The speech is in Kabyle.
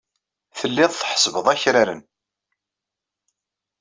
Telliḍ tḥessbeḍ akraren.